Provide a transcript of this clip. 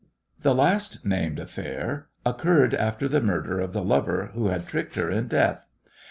The last named affair occurred after the murder of the lover who had tricked her in death.